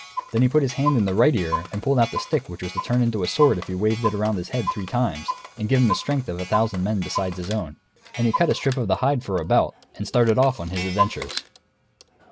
Then he put his hand in the right ear and pulled out the stick which was to turn into a sword if waved round his head three times, and to give him the strength of a thousand men beside his own. And he cut a strip of the hide for a belt, and started off on his adventures.